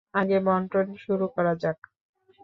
আগে বণ্টন শুরু করা যাক।